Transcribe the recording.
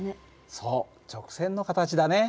そう直線の形だね。